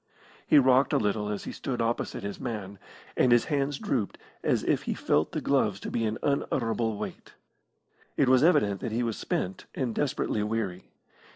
He rocked a little as he stood opposite his man, and his hands drooped as if he felt the gloves to be an unutterable weight. It was evident that he was spent and desperately weary.